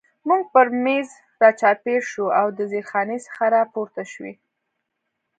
موږ پر مېز را چاپېر شو او د زیرخانې څخه را پورته شوي.